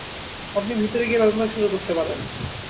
আপনি ভেতরে গিয়ে তদন্ত শুরু করতে পারেন।